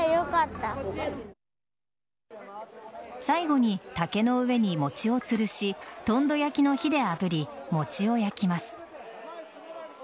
最後に竹の上に餅をつるしとんど焼きの火であぶり餅を焼きます。